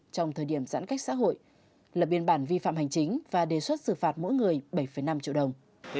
trong thời điểm giãn cách xã hội lập biên bản vi phạm hành chính và đề xuất xử phạt mỗi người bảy năm triệu đồng